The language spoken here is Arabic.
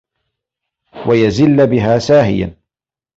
وَيَزِلَّ بِهَا سَاهِيًا